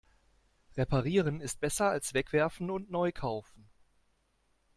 Reparieren ist besser als wegwerfen und neu kaufen.